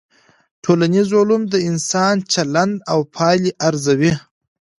ټولنيز علوم د انسان چلند او پايلي ارزوي.